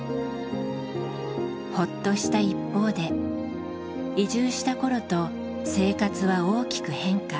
ほっとした一方で移住した頃と生活は大きく変化。